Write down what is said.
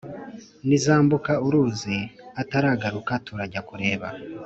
nizambuka uruzi ataragaruka turajya kureba"